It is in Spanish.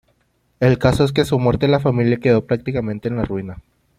El caso es que a su muerte la familia quedó prácticamente en la ruina.